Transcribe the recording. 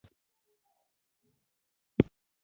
خو ستاسو جیبونو ته په دواړو سترګو دا حقیقت دی.